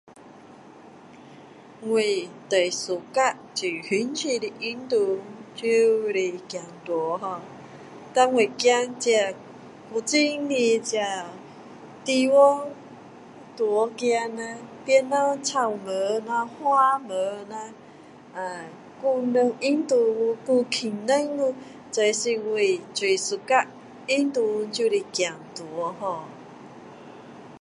我最喜欢最兴趣的运动就是走路 ho 然后我走这古晋的这地方路走了旁边草看下花看下呃还有人运动还轻松哦这是我最喜欢运动就是走路 ho